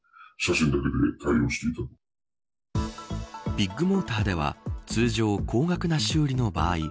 ビッグモーターでは通常、高額な修理の場合